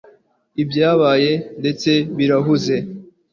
ibyabaye, ndetse birahuze